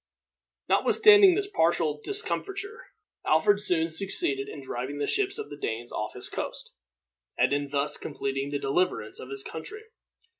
Notwithstanding this partial discomfiture, Alfred soon succeeded in driving the ships of the Danes off his coast, and in thus completing the deliverance of his country.